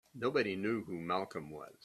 Nobody knew who Malcolm was.